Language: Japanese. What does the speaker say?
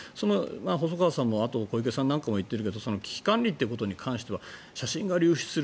細川さんと小池さんなんかも言ってるけど危機管理に関しては写真が流出する。